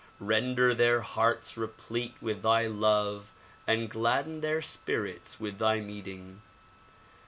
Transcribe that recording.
Render their hearts replete with thy love and gladden their spirits with thy meeting.